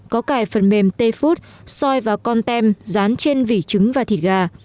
có cài phần mềm t food soi vào con tem dán trên vỉ trứng và thịt gà